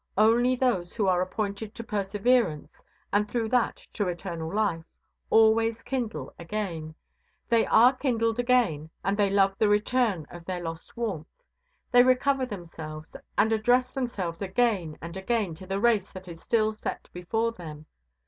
Only, those who are appointed to perseverance, and through that to eternal life, always kindle again; they are kindled again, and they love the return of their lost warmth. They recover themselves and address themselves again and again to the race that is still set before them.